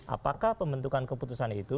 apakah pembentukan keputusan itu